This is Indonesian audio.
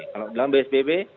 kalau bilang psbb